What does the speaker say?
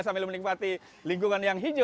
sambil menikmati lingkungan yang hijau